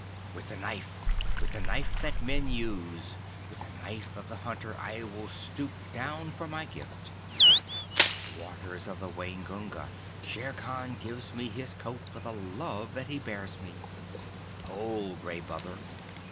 With the knife, with the knife that men use, with the knife of the hunter, I will stoop down for my gift. Waters of the Waingunga, Shere Khan gives me his coat for the love that he bears me. Pull, Gray Brother!